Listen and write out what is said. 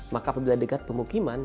maka bila dekat pemukiman